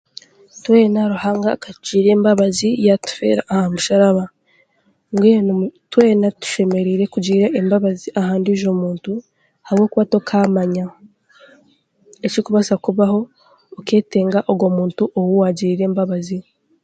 Twena Ruhanga akatugirira embabazi yaatufeera aha musharaba. Mbwenu twena tushemereire kugira embabazi aha ndiijo muntu, ahabwokuba t'okaamanya, ekikubaasa kubaho ok'etenga ogw'omuntu ou waagirira embabazi.